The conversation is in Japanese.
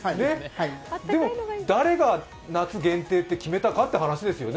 でも、誰が夏限定って決めたかって話ですよね。